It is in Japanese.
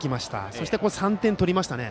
そして３点取りましたよね。